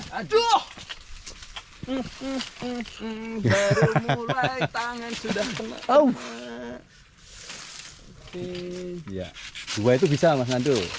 sampai tidak yummy